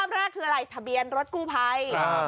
ภาพแรกคืออะไรทะเบียนรถกู้ไพรอ่า